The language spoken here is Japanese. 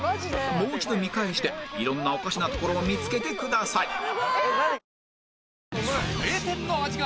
もう一度見返して色んなおかしなところを見つけてください